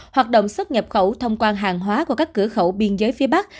hoạt động xuất nhập khẩu thông quan hàng hóa qua các cửa khẩu biên giới phía bắc